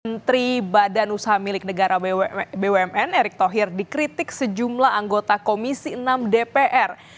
menteri badan usaha milik negara bumn erick thohir dikritik sejumlah anggota komisi enam dpr